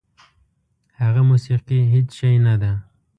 هغه موسیقي هېڅ شی نه ده.